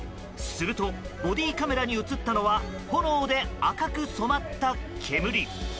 すると、ボディーカメラに映ったのは炎で赤く染まった煙。